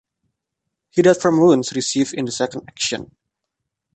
He died from wounds received in the second action.